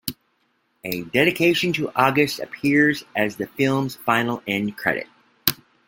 A dedication to August appears as the film's final end credit.